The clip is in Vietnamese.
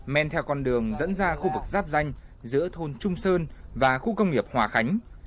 men theo con đường dẫn ra khu vực giáp danh giữa thôn trung sơn và khu công nghiệp hòa khánh